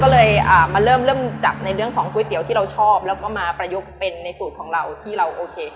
ก็เลยมาเริ่มจับในเรื่องของก๋วยเตี๋ยวที่เราชอบแล้วก็มาประยุกต์เป็นในสูตรของเราที่เราโอเค